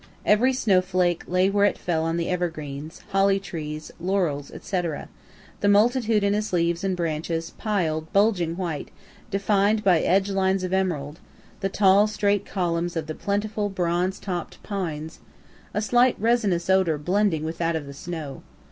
Every snowflake lay where it fell on the evergreens, holly trees, laurels, &c., the multitudinous leaves and branches piled, bulging white, defined by edge lines of emerald the tall straight columns of the plentiful bronze topt pines a slight resinous odor blending with that of the snow.